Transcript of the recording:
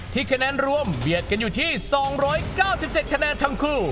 คะแนนรวมเบียดกันอยู่ที่๒๙๗คะแนนทั้งคู่